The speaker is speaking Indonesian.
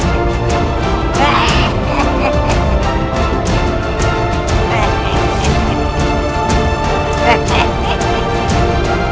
ada pak yusuf